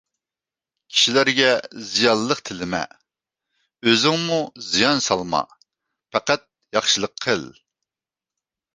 كىشىگە زىيانلىق تىلىمە، ئۆزۈڭمۇ زىيان سالما، پەقەت ياخشىلىق قىل.